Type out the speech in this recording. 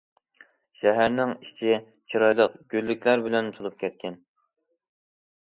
شەھەرنىڭ ئىچى چىرايلىق گۈللۈكلەر بىلەن تولۇپ كەتكەن.